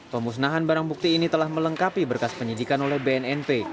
pemusnahan barang bukti ini telah melengkapi berkas penyidikan oleh bnnp